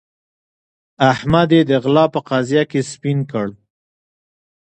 احمد يې د غلا په قضيه کې سپين کړ.